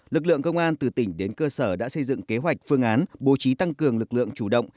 lực lượng công an từ tỉnh đến cơ sở đã xây dựng kế hoạch phương án bố trí tăng cường lực lượng chủ động